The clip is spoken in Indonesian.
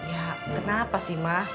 ya kenapa sih ma